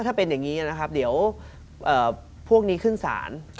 ถ้าเป็นอย่างนี้นะครับเดี๋ยวพวกนี้ขึ้นศาล